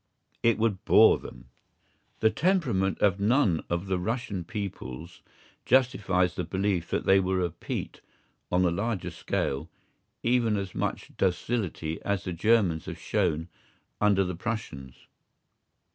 It would bore them. The temperament of none of the Russian peoples justifies the belief that they will repeat on a larger scale even as much docility as the Germans have shown under the Prussians.